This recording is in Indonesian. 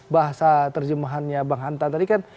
bahasa terjemahannya bang hanta tadi kan